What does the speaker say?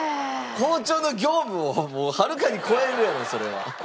校長の業務をはるかに超えるやろそれは。